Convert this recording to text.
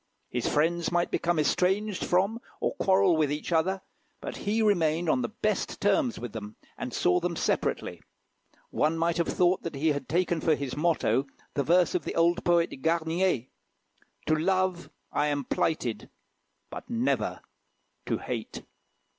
His friends might become estranged from or quarrel with each other; but he remained on the best of terms with them, and saw them separately. One might have thought that he had taken for his motto the verse of the old poet, Garnier "To love I am plighted, but never to hate."